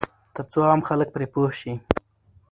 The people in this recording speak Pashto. ترڅو عام خلک پرې پوه شي.